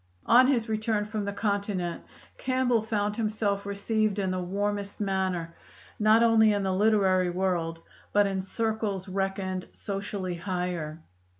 On his return from the Continent, Campbell found himself received in the warmest manner, not only in the literary world but in circles reckoned socially higher.